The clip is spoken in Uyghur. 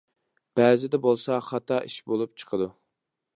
بەزىدە بولسا خاتا ئىش بولۇپ چىقىدۇ.